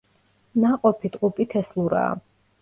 ნაყოფი ტყუპი თესლურაა.